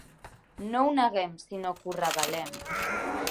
No ho neguem, sinó que ho revelem.